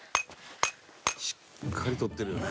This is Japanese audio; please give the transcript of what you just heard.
「しっかり撮ってるよね」